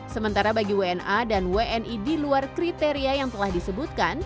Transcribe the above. sementara bagi wna dan wni di luar kriteria yang telah disebutkan